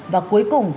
và cuối cùng